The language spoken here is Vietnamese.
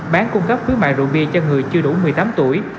bán cung cấp khuyến mại rượu bia cho người chưa đủ một mươi tám tuổi